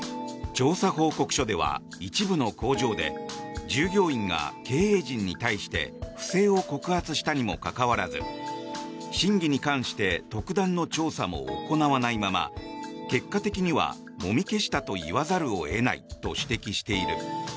調査報告書では、一部の工場で従業員が経営陣に対して不正を告発したにもかかわらず真偽に関して特段の調査も行わないまま結果的にはもみ消したと言わざるを得ないと指摘している。